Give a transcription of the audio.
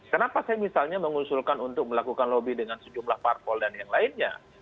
kenapa saya misalnya mengusulkan untuk melakukan lobby dengan sejumlah parpol dan yang lainnya